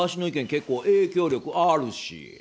結構影響力あるし！